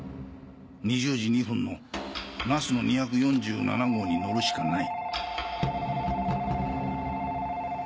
２０時２分の「なすの２４７号」に乗るしかない。